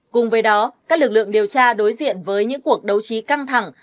cùng với đó các lực lượng điều tra đối diện với những cuộc đấu trí căng thẳng